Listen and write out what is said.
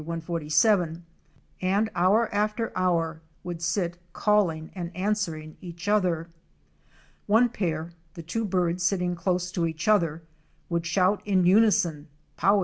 147) and hour after hour would sit calling and answering each other. One pair (the two birds sitting close to each other) would shout in unison powie!